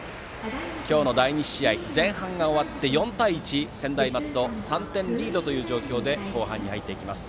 今日の第２試合、前半が終わって４対１と専大松戸３点リードという状況で後半に入っていきます。